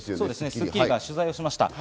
『スッキリ』が取材しました。